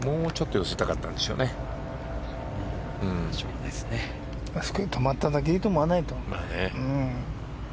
あそこで止まっただけいいと思わないと。